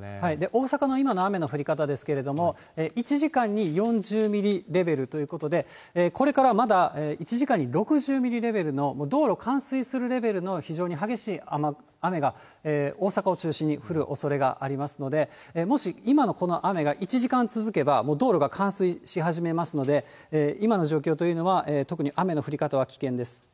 大阪の今の雨の降り方ですけれども、１時間に４０ミリレベルということで、これからまだ１時間に６０ミリレベルの、道路冠水するレベルの非常に激しい雨が大阪を中心に降るおそれがありますので、もし今のこの雨が１時間続けば、もう道路が冠水し始めますので、今の状況というのは、特に雨の降り方は危険です。